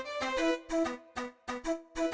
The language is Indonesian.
rika berangkat dulu ya kakak